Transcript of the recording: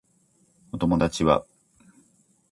お友達は